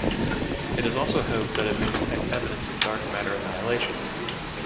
It is also hoped that it may detect evidence of dark matter annihilation.